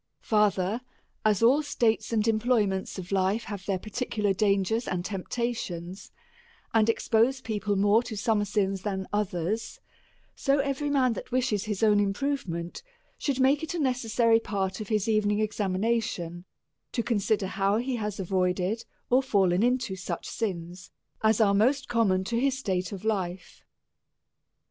Farther : As all states and employments of life have their particular dangers and temptations, and expose people more to some sins than others, so every man that wishes his own improvement, should make it a necessary part of his evening examination, to consider how he has avoided, or fallen into such sins as are most common to his state of life.